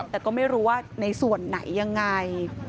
แต่ก็ไม่รู้ว่าในส่วนไหนยังไง